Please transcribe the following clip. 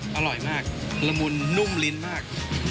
อร่อยมากละมุนนุ่มลิ้นมาก